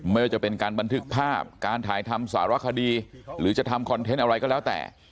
ไม่ว่าจะเป็นการบันทึกภาพการถ่ายทำสารคดีหรือจะทำคอนเทนต์อะไรก็แล้วแต่